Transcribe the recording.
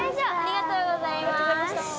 ありがとうございます。